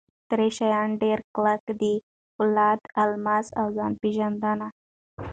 درې شیان ډېر کلک دي: پولاد، الماس اوځان پېژندنه.